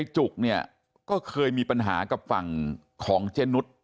ชุกก็เคยมีปัญหากับฝั่งของเจนุท